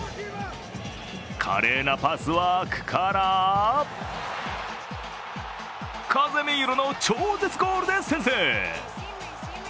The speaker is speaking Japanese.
華麗なパスワークからカゼミーロの超絶ゴールで先制。